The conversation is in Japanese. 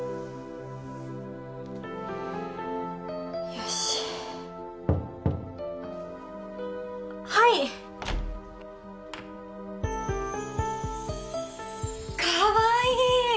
よしはいかわいい！